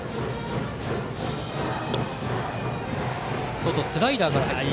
外、スライダーから入りました。